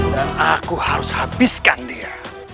dan aku harus habiskan dia